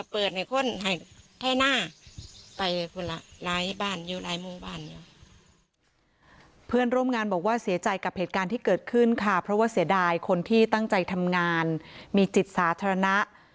เพื่อนร่วมงานบอกว่าเสียใจกับเหตุการณ์ที่เกิดขึ้นค่ะเพราะว่าเสียดายคนที่ตั้งใจทำงานมีจิตสาธารณะ